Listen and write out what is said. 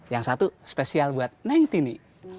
yang satu spesial buat neng tini